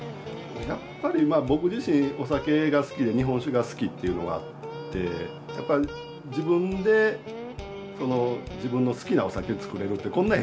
やっぱりまあ僕自身お酒が好きで日本酒が好きっていうのがあってやっぱり自分で自分の好きなお酒造れるってこんなええ